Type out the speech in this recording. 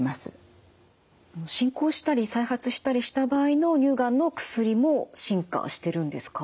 進行したり再発したりした場合の乳がんの薬も進化してるんですか？